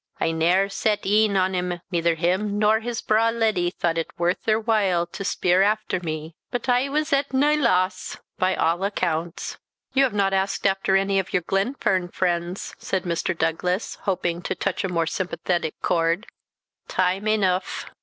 I ne'er set een on him; neither him nor his braw leddie thought it worth their while to speer after me; but I was at nae loss, by aw accounts." "You have not asked after any of your Glenfern friends," said Mr. Douglas, hoping to touch a more sympathetic chord. "Time eneugh.